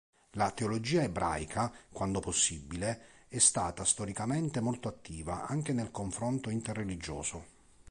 La teologia ebraica, quando possibile, è stata storicamente molto attiva anche nel confronto interreligioso.